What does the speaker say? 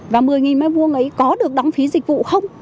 và một mươi m hai ấy có được đóng phí dịch vụ không